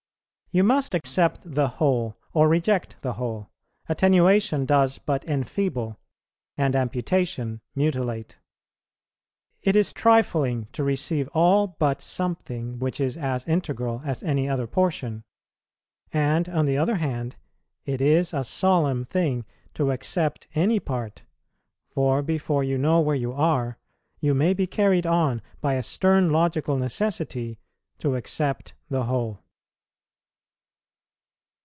You must accept the whole or reject the whole; attenuation does but enfeeble, and amputation mutilate. It is trifling to receive all but something which is as integral as any other portion; and, on the other hand, it is a solemn thing to accept any part, for, before you know where you are, you may be carried on by a stern logical necessity to accept the whole.